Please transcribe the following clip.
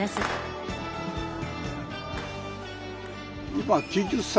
今は９０歳